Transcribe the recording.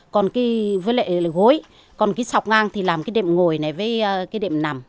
còn cái với lệ gối còn cái sọc ngang thì làm cái đệm ngồi này với cái đệm nằm